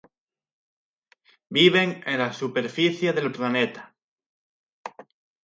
Viven en la superficie del planeta.